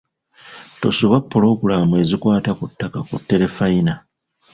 Tosubwa pulogulaamu ezikwata ku ttaka ku tterefayina.